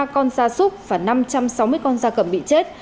hai mươi ba con da súc và năm trăm sáu mươi con da cẩm bị chết